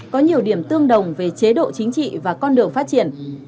có nhiều điểm tương đồng về chế độ chính trị và con đường phát triển